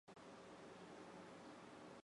北京市、最高检机关提出了防控工作新要求